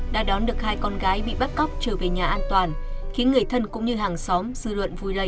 đã đón được hai con gái bị bắt cóc trở về nhà an toàn khiến người thân cũng như hàng xóm dư luận vui lây